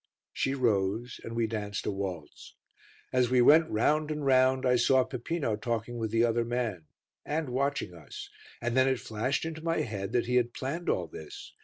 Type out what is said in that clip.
She rose and we danced a waltz. As we went round and round I saw Peppino talking with the other man and watching us, and then it flashed into my head that he had planned all this.